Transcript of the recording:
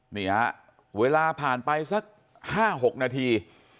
นี่ฮะเวลาผ่านไปสัก๕๖นาที